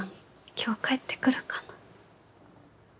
今日帰ってくるかな。